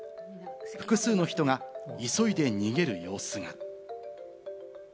複数の人が急いで逃げる様子が。